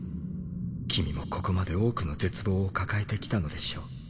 君もここまで多くの絶望を抱えてきたのでしょう。